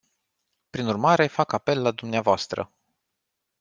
Prin urmare fac apel la dvs.